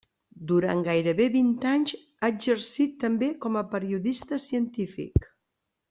Durant gairebé vint anys ha exercit també com a periodista científic.